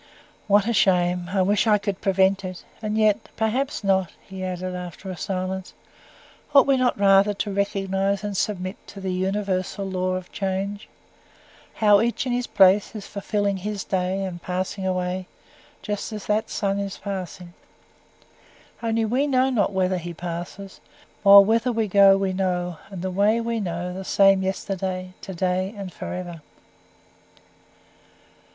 "What a shame! I wish I could prevent it. And yet, perhaps not," he added, after a silence. "Ought we not rather to recognise and submit to the universal law of change? How each in his place is fulfilling his day, and passing away, just as that sun is passing. Only we know not whither he passes; while whither we go we know, and the Way we know the same yesterday, to day, and for ever."